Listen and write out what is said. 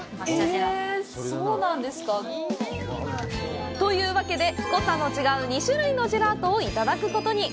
ええ、そうなんですか？というわけで、濃さの違う２種類のジェラートをいただくことに。